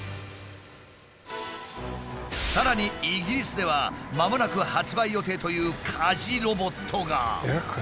さらにイギリスではまもなく発売予定という家事ロボットが。